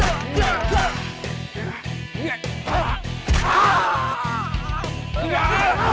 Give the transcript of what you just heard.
aku memberi ke pandangan game yang harus mau terjadi